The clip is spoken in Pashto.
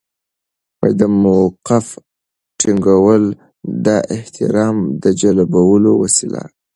د موقف ټینګول د احترام جلبولو وسیله ده.